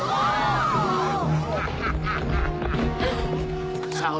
アハハハハ！